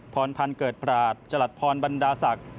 พรพันธ์เกิดปราศจรัสพรบรรดาศักดิ์